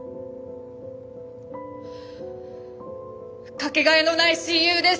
掛けがえのない親友です！